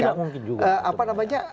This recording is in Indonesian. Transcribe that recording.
tidak mungkin juga